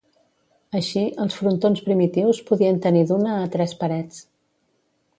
Així, els frontons primitius podien tenir d'una a tres parets.